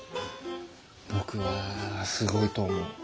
僕はすごいと思う。